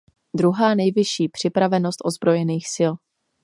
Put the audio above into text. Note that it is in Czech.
Druhá nejvyšší připravenost ozbrojených sil.